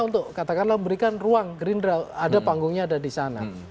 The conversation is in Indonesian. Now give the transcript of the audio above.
untuk katakanlah memberikan ruang gerindra ada panggungnya ada di sana